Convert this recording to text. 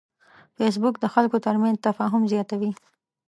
فېسبوک د خلکو ترمنځ تفاهم زیاتوي